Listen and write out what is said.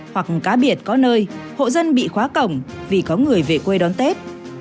hoặc cá biệt có nơi hộ dân bị khóa cổng vì có người về quê đón tết